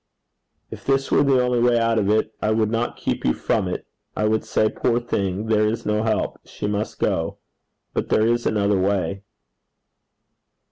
'If this were the only way out of it, I would not keep you from it. I would say, "Poor thing! there is no help: she must go." But there is another way.'